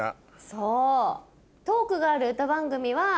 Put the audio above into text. そう。